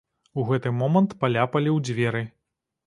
У гэты момант паляпалі ў дзверы.